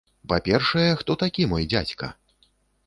Па-першае, хто такі мой дзядзька?